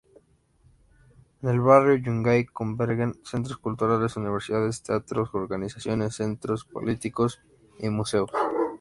En el Barrio Yungay convergen centros culturales, universidades, teatros, organizaciones, centros políticos y museos.